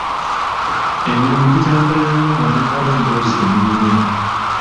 Emirimu gitambula nnyo nga mulinawo emboozi gye munyumya.